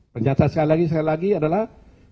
penyataan sekali lagi adalah